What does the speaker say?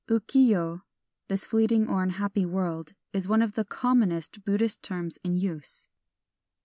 " Uki yo " (this fleeting or unhappy world) is one of the commonest Buddhist terms in use.